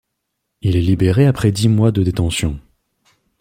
Il est libéré après dix mois de détention.